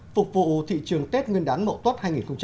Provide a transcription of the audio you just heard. phục vụ thị trường tết nguyên đán mẫu tốt hai nghìn một mươi tám